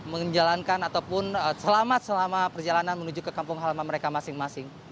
menjalankan ataupun selamat selama perjalanan menuju ke kampung halaman mereka masing masing